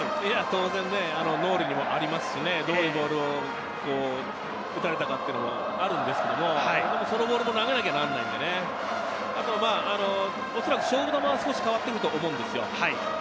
当然脳裏にありますし、どういうボールを打たれたかというのもあるんですけれど、でもそのボールも投げなければならないので、勝負球は少し変わってくると思うんですよ。